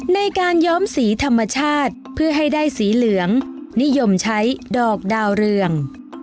ในการย้อมสีธรรมชาติเพื่อให้ได้สีเหลืองนิยมใช้ดอกดาวเรือง